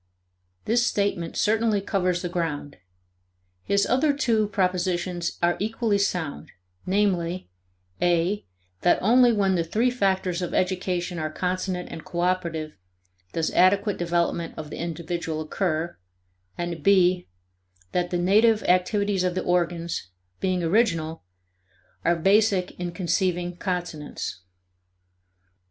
This statement certainly covers the ground. His other two propositions are equally sound; namely, (a) that only when the three factors of education are consonant and cooperative does adequate development of the individual occur, and (b) that the native activities of the organs, being original, are basic in conceiving consonance.